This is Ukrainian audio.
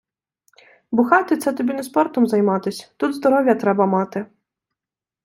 Бухати це тобі не спортом займатись, тут здоров'я треба мати